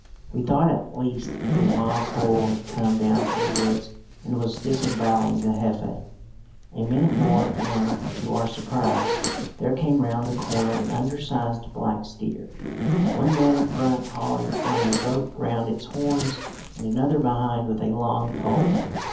We thought at least a wild bull had come down from the woods and was disembowelling the Jefe. A minute more and, to our surprise, there came round the corner an undersized black steer, one man in front hauling on a rope round its horns, and another behind with a long pole.